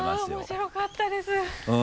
面白かったです。